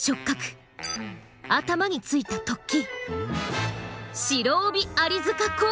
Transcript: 頭についた突起。